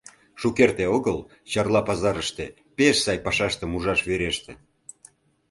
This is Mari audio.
Шукерте огыл Чарла пазарыште пеш «сай» пашаштым ужаш вереште.